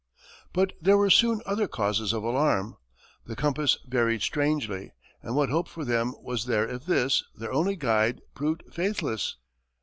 But there were soon other causes of alarm. The compass varied strangely, and what hope for them was there if this, their only guide, proved faithless?